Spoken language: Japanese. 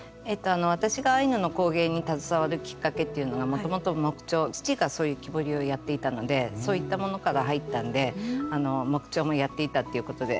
私がアイヌの工芸に携わるきっかけというのがもともと木彫父がそういう木彫りをやっていたのでそういったものから入ったんで木彫もやっていたということで。